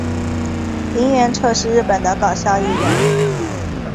萤原彻是日本的搞笑艺人。